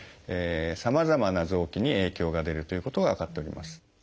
さまざまな臓器に影響が出るということが分かっております。